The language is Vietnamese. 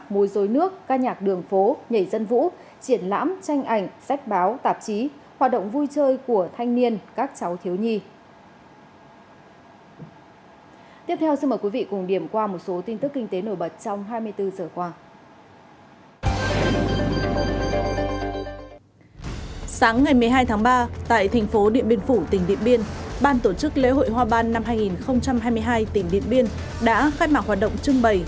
ban tổ chức lễ hội hoa ban năm hai nghìn hai mươi hai tỉnh điện biên đã khai mạc hoạt động trưng bày